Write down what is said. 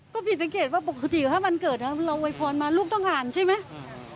ก็ผิดสังเกตว่าปกติถ้ามันเกิดเราโวยพรมาลูกต้องอ่านใช่ไหม